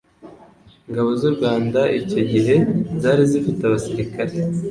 Ingabo z'u Rwanda icyo gihe zari zifite abasirikare